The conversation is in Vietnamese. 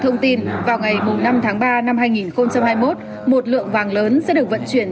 thông tin vào ngày năm tháng ba năm hai nghìn hai mươi một một lượng vàng lớn sẽ được vận chuyển